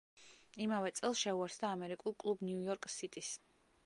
იმავე წელს შეუერთდა ამერიკულ კლუბ „ნიუ-იორკ სიტის“.